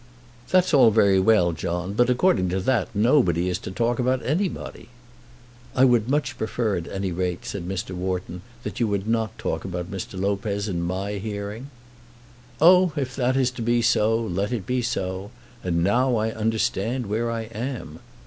"That's all very well, John; but according to that nobody is to talk about anybody." "I would much prefer, at any rate," said Mr. Wharton, "that you would not talk about Mr. Lopez in my hearing." "Oh; if that is to be so, let it be so. And now I understand where I am."